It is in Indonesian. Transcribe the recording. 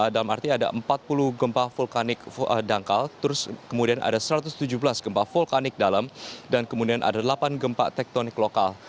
dalam arti ada empat puluh gempa vulkanik dangkal kemudian ada satu ratus tujuh belas gempa vulkanik dalam dan kemudian ada delapan gempa tektonik lokal